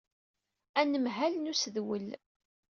Anemhal n usedwel.